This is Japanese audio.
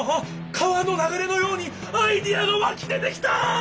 川のながれのようにアイデアがわき出てきた！